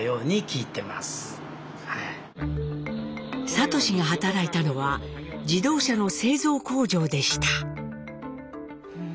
智が働いたのは自動車の製造工場でした。